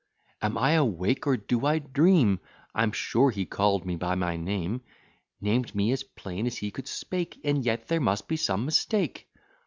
Am I awake, or do I dream? I'm sure he call'd me by my name; Named me as plain as he could speak; And yet there must be some mistake.